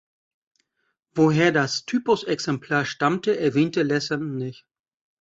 Woher das Typusexemplar stammte erwähnte Lesson nicht.